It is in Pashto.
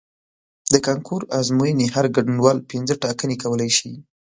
د کانکور ازموینې هر ګډونوال پنځه ټاکنې کولی شي.